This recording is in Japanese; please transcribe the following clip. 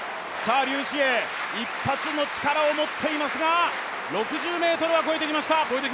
劉詩穎、一発の力を持っていますが６０ｍは越えてきました。